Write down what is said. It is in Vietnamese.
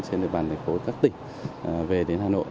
trên địa bàn thành phố các tỉnh về đến hà nội